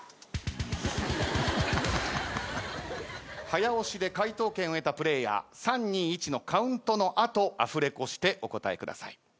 早押しで回答権を得たプレーヤー３２１のカウントの後アフレコしてお答えください。